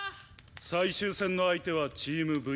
最終戦の相手はチームＶ。